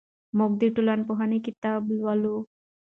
موږ د ټولنپوهنې کتاب لولو.